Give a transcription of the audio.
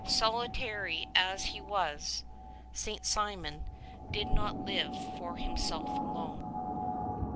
Solitary as he was, St. Simeon did not live for himself alone.